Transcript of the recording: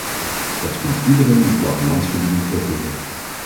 Dat komt iedereen in plattelandsgebieden ten goede.